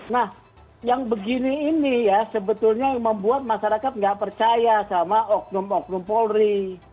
nah yang begini ini ya sebetulnya yang membuat masyarakat nggak percaya sama oknum oknum polri